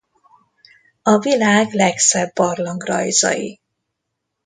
A világ legszebb barlangrajzai